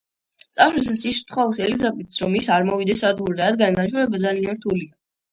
წასვლისას ის თხოვს ელიზაბეტს, რომ ის არ მოვიდეს სადგურზე, რადგან განშორება ძალიან რთულია.